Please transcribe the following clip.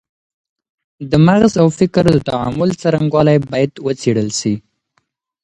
د مغز او فکر د تعامل څرنګوالی باید وڅېړل سي.